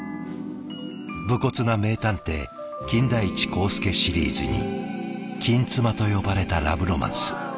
武骨な名探偵「金田一耕助シリーズ」に「金妻」と呼ばれたラブロマンス。